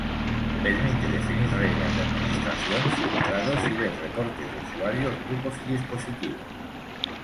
Permite definir reglas de administración, filtrados y ver reportes de usuarios, grupos y dispositivos.